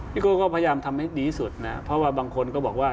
โก้ก็พยายามทำให้ดีที่สุดนะเพราะว่าบางคนก็บอกว่า